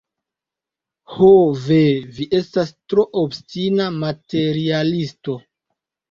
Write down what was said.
Ho ve, vi estas tro obstina materialisto.